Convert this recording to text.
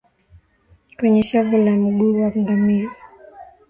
kwenye shavu la mguu wa ngamia